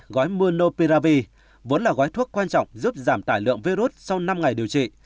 gói manoperavi vốn là gói thuốc quan trọng giúp giảm tải lượng virus sau năm ngày điều trị